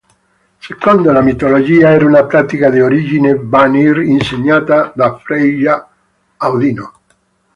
Secondo la mitologia era una pratica di origine Vanir insegnata da Freyja a Odino.